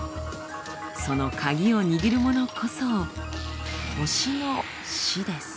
そのカギを握るものこそ星の死です。